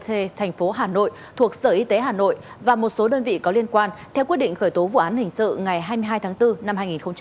tp hà nội thuộc sở y tế hà nội và một số đơn vị có liên quan theo quyết định khởi tố vụ án hình sự ngày hai mươi hai tháng bốn năm hai nghìn hai mươi